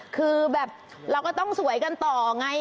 คือแบบเราก็ต้องสวยกันต่อไง